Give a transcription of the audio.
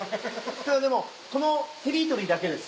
でもこのテリトリーだけです